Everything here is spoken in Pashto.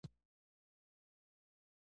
د له منځه وړلو وظیفه ورکړه.